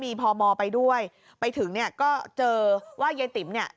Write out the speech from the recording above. มีพมไปด้วยไปถึงเนี่ยก็เจอว่ายายติ๋มเนี่ย